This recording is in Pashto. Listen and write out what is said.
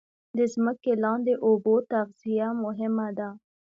د ځمکې لاندې اوبو تغذیه مهمه ده